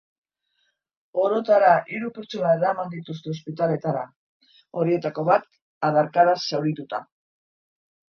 Orotara hiru pertsona eraman dituzte ospitaletara, horietako bat adarkadaz zaurituta.